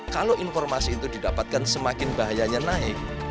kalau informasi itu didapatkan semakin bahayanya naik